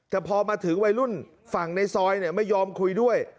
แต่พอมาถึงวัยรุ่นฝั่งในซอยไม่ยอมคุยด้วย